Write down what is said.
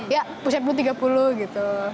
ya pusat bu tiga puluh gitu